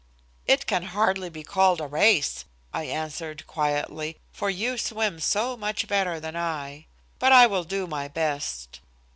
"It can hardly be called a race," I answered quietly, "for you swim so much better than I, but I will do my best."